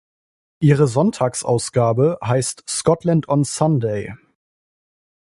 Ihre Sonntagsausgabe heißt "Scotland on Sunday".